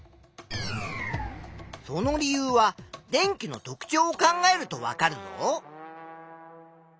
その理由は電気の特ちょうを考えるとわかるぞ。